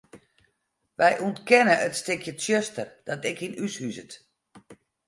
Wy ûntkenne it stikje tsjuster dat ek yn ús huzet.